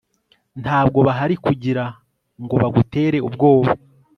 ntabwo bahari kugirango bagutere ubwoba